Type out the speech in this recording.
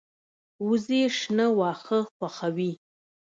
وزې شنه واښه خوښوي